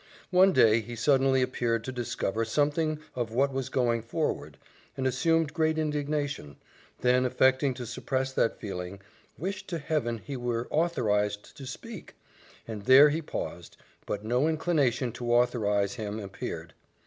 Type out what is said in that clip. One day he suddenly appeared to discover something of what was going forward, and assumed great indignation; then affecting to suppress that feeling, "wished to Heaven he were authorized to speak" and there he paused but no inclination to authorize him appeared.